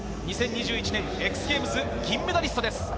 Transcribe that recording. ２０２１年、ＸＧａｍｅｓ金メダリストです。